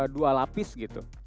dua lapis gitu